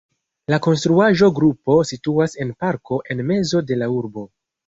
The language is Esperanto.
La konstruaĵo-grupo situas en parko en mezo de la urbo.